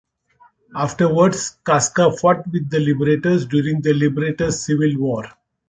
Afterwards, Casca fought with the liberators during the Liberators' civil war.